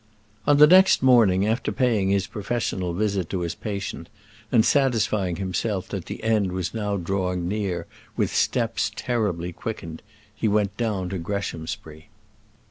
On the next morning, after paying his professional visit to his patient, and satisfying himself that the end was now drawing near with steps terribly quickened, he went down to Greshamsbury.